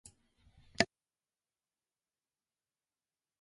おしゃべり好きな人だ。